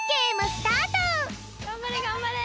がんばれがんばれ！